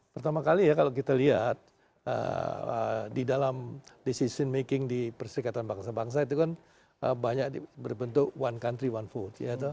pertama kali ya kalau kita lihat di dalam decision making di perserikatan bangsa bangsa itu kan banyak berbentuk one country one vote